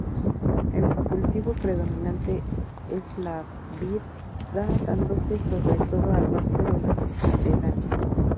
El cultivo predominante es la vid, dándose sobre todo al norte de la pedanía.